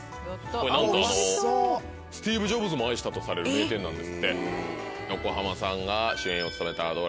これなんとあのスティーブ・ジョブズも愛したとされる名店なんですって。